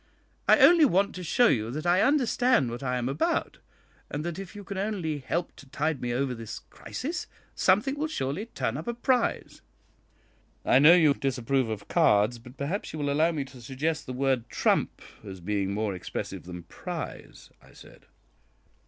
I only want to show you that I understand what I am about, and that if you can only help to tide me over this crisis, something will surely turn up a prize." "I know you disapprove of cards, but perhaps you will allow me to suggest the word 'trump' as being more expressive than 'prize,'" I said.